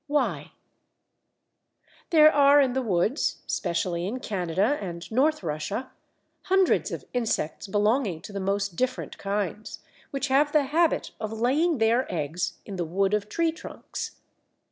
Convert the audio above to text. Why? There are in the woods, especially in Canada and North Russia, hundreds of insects belonging to the most different kinds, which have the habit of laying their eggs in the wood of tree trunks.